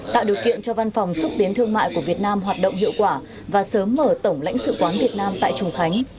tạo điều kiện cho văn phòng xúc tiến thương mại của việt nam hoạt động hiệu quả và sớm mở tổng lãnh sự quán việt nam tại trùng khánh